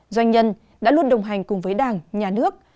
doanh nhân đã luôn đồng hành cùng với đảng nhà nước